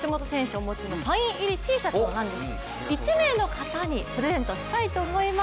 お持ちのサイン入りＴシャツを１名の方にプレゼントしたいと思います。